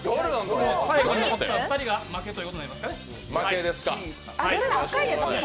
最後に残った２人が負けということになりますかね。